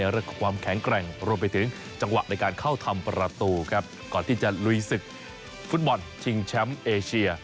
รวมไปถึงจังหวะในการเข้าทำประตูครับก่อนที่จะลุยศึกฟุตบอลทิงแชมป์เอเชีย